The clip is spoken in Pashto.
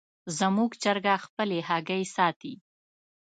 زموږ چرګه خپلې هګۍ ساتي.